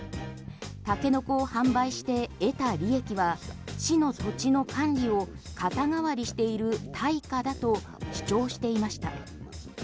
タケノコを販売して得た利益は市の土地の管理を肩代わりしている対価だと主張していました。